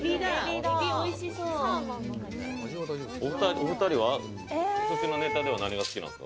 お２人は、すしのネタでは何が好きなんですか？